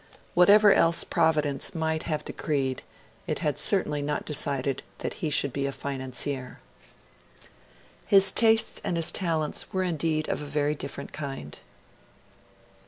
Whatever else Providence might have decreed, it had certainly not decided that he should be a financier. His tastes and his talents were indeed of a very different kind.